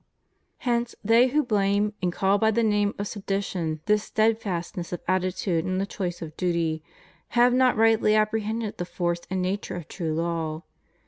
Hence they who blame, and call by the name of sedition, this steadfastness of attitude in the choice of duty, have not rightly apprehended the force and nature of true law.